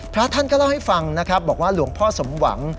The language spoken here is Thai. พระท่านก็เล่าให้ฟังนะครับบอกว่าหลวงพ่อสมหวัง